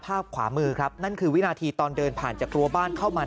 ภาพขวามือครับนั่นคือวินาทีตอนเดินผ่านจากรัวบ้านเข้ามา